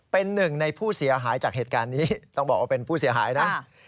เป็นหนึ่งในผู้เสียหายจากเหตุการณ์นี้ต้องบอกว่าเป็นผู้เสียหายนะ